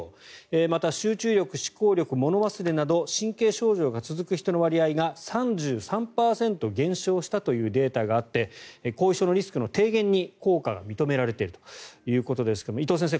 また集中力、思考力、物忘れなど神経症状が続く人の割合が３３％減少したというデータがあって後遺症のリスクの低減に効果が認められているということですが伊藤先生